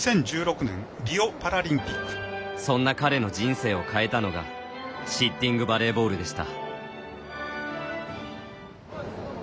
そんな彼の人生を変えたのがシッティングバレーボールでした。